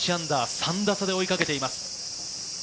３打差で追いかけています。